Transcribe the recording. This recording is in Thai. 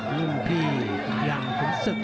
คื้นพี่ยังอุลศึก